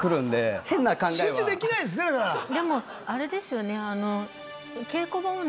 でもあれですよね。